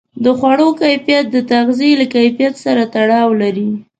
د خوړو کیفیت د تغذیې له کیفیت سره تړاو لري.